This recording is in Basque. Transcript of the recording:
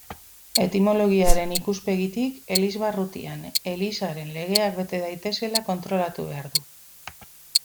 Etimologiaren ikuspegitik elizbarrutian Elizaren legeak bete daitezela kontrolatu behar du.